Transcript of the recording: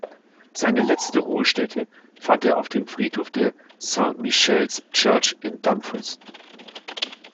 Seine letzte Ruhestätte fand er auf dem Friedhof der St Michael’s Church in Dumfries.